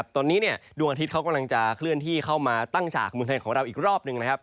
ตอนนี้ดวงอาทิตย์เขากำลังจะเคลื่อนที่เข้ามาตั้งฉากเมืองไทยของเราอีกรอบหนึ่งนะครับ